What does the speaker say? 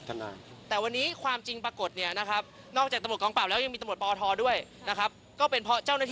ทำให้คนที่โกหกกันนะครับ